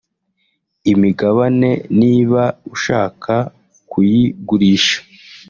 Imigabane niba ushaka kuyigurisha